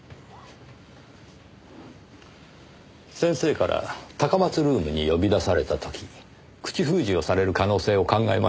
先生から高松ルームに呼び出された時に口封じをされる可能性を考えました。